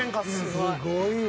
すごいわ。